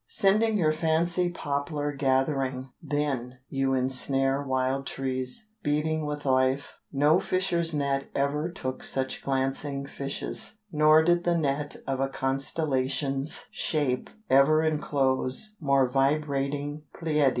Sending your fancy poplar gathering, then, you ensnare wild trees, beating with life. No fisher's net ever took such glancing fishes, nor did the net of a constellation's shape ever enclose more vibrating Pleiades.